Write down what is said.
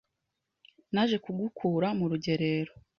naje kugukura mu rugerero.